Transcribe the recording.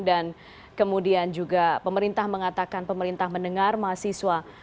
dan kemudian juga pemerintah mengatakan pemerintah mendengar mahasiswa